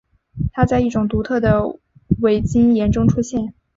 它在一种独特的伟晶岩中出现。